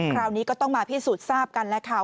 คราวนี้ก็ต้องมาพิสูจน์ทราบกันแล้วค่ะ